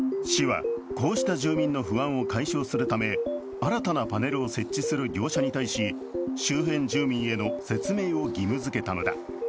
市はこうした住民の不安を解消するため、新たなパネルを設置する業者に対し周辺住民への説明を義務づけたのだ。